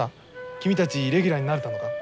君たちレギュラーになれたのか？